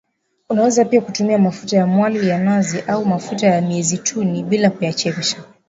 Unaweza pia kutumia mafuta mwali ya nazi au mafuta ya mizeituni bila kuyachemsha